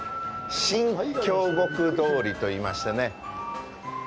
新京極通といいましてね。